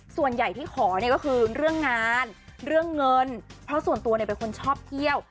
ส่วนใหญ่ที่ขอเนี่ยก็คือเรื่องงานเรื่องเงินเพราะส่วนตัวเนี่ยเป็นคนชอบเที่ยว